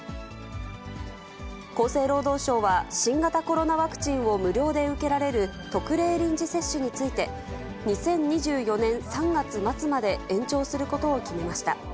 厚生労働省は、新型コロナワクチンを無料で受けられる、特例臨時接種について、２０２４年３月末まで延長することを決めました。